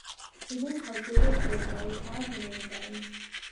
He then proceeded to invade Arzanene again.